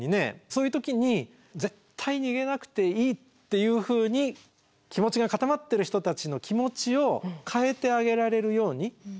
そういう時に絶対逃げなくていいっていうふうに気持ちが固まってる人たちの気持ちを変えてあげられるように。